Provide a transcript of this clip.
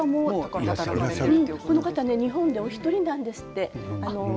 この方、日本の方で１人なんですって。